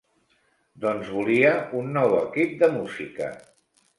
Doncs volia un nou equip de música.